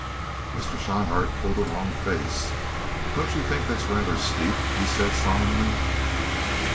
Mr. Schryhart pulled a long face. "Don't you think that's rather steep?" he said, solemnly.